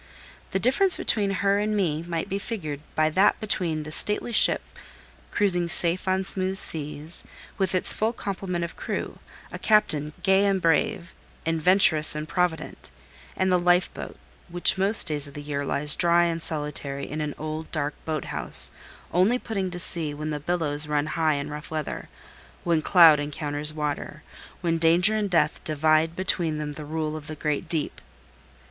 The difference between her and me might be figured by that between the stately ship cruising safe on smooth seas, with its full complement of crew, a captain gay and brave, and venturous and provident; and the life boat, which most days of the year lies dry and solitary in an old, dark boat house, only putting to sea when the billows run high in rough weather, when cloud encounters water, when danger and death divide between them the rule of the great deep.